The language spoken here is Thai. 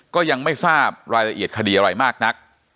ก็ยังไม่ทราบรายละเอียดคดีอะไรมากนัก